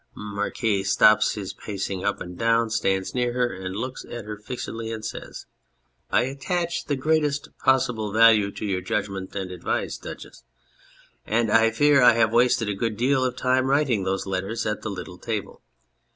MARQUIS (stops in his pacing up and down, stands near her, and, looking at her Jixedly, says) : I attach the greatest possible value to your judgment and advice, Duchess. And I fear I have wasted a good deal of time writing those letters at the little table.